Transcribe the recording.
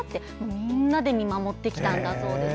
みんなで見守ってきたそうです。